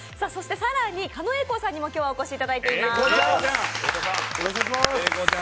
更に狩野英孝さんにも今日はお越しいただいています。